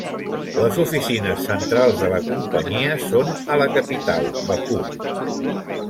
Les oficines centrals de la companyia són a la capital, Bakú.